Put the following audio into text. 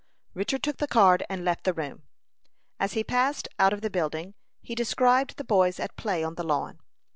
Richard took the card, and left the room. As he passed out of the building he descried the boys at play on the lawn.